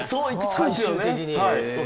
最終的に。